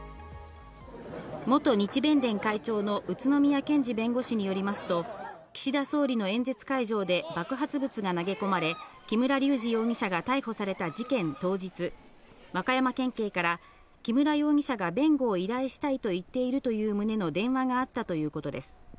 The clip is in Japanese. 元日弁連会長の宇都宮健児弁護士によりますと、岸田総理の演説会場で爆発物が投げ込まれ、木村隆二容疑者が逮捕された事件当日、和歌山県警から木村容疑者が弁護を依頼したいと言っているという旨の電話があったということです。